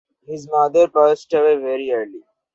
His mother passed away very early.